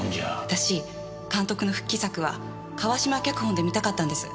私監督の復帰作は川島脚本で見たかったんです。